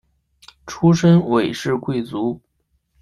出身韦氏贵族。